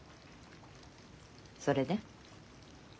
それで？